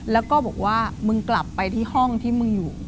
แล้วก็บอกว่ามึงกลับไปที่ห้องที่มึงอยู่